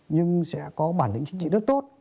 nhưng sẽ có bản lĩnh chính trị rất tốt